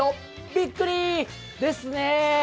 びっくりーですね。